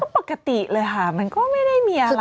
ปกติเลยค่ะมันก็ไม่ได้มีอะไร